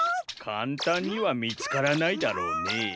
かんたんにはみつからないだろうねぇ。